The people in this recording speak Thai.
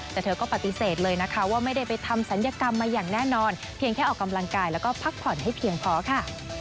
แต่เธอก็ปฏิเสธเลยนะคะว่าไม่ได้ไปทำศัลยกรรมมาอย่างแน่นอนเพียงแค่ออกกำลังกายแล้วก็พักผ่อนให้เพียงพอค่ะ